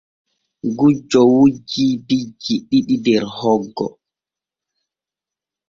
Gujjo wujji bijji ɗiɗi der hoggo.